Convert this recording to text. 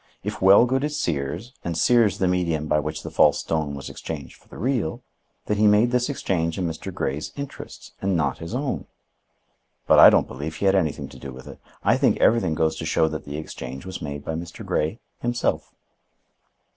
If Wellgood is Sears and Sears the medium by which the false stone was exchanged for the real, then he made this exchange in Mr. Grey's interests and not his own. But I don't believe he had anything to do with it. I think everything goes to show that the exchange was made by Mr. Grey himself."